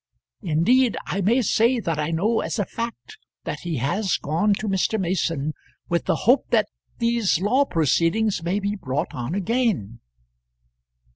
Indeed, I may say that I know as a fact that he has gone to Mr. Mason with the hope that these law proceedings may be brought on again."